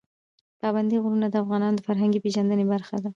پابندی غرونه د افغانانو د فرهنګي پیژندنې برخه ده.